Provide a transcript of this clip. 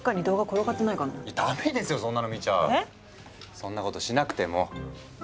そんなことしなくてもほら。